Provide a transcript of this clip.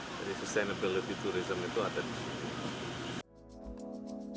jadi sustainability tourism itu ada di sini